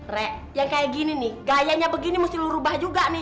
rek yang kaya gini nih gayanya begini mesti lu rubah juga nih